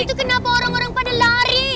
itu kenapa orang orang pada lari